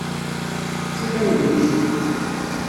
Ttu taneglizit.